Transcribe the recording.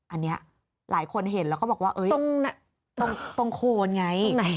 อันนี้หลายคนเห็นแล้วก็บอกว่าตรงโคนไง